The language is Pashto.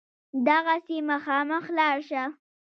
دغسې مخامخ لاړ شه.